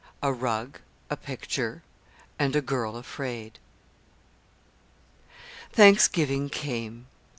A RUG, A PICTURE, AND A GIRL AFRAID Thanksgiving came.